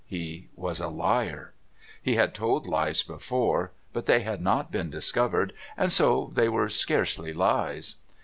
He was a liar. He had told lies before, but they had not been discovered, and so they were scarcely lies...